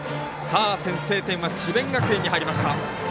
先制点は智弁学園に入りました。